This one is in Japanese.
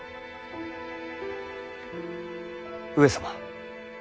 上様。